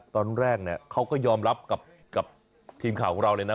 ตอนแรกเนี่ยเขาก็ยอมรับกับทีมข่าวของเราเลยนะ